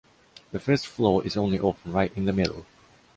The first floor is only open right in the middle.